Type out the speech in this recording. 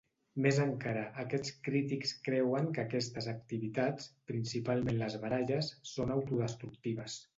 Més encara, aquests crítics creuen que aquestes activitats, principalment les baralles, són autodestructives.